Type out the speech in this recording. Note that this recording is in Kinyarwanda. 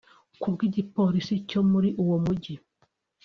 Ku bw'igipolisi co muri uwo muji